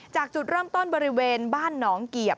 จากจุดเริ่มต้นบริเวณบ้านหนองเกียบ